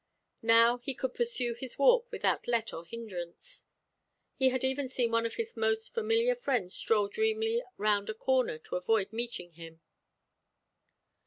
Now he could pursue his walk without let or hindrance. He had even seen one of his most familiar friends stroll dreamily round a corner to avoid meeting him.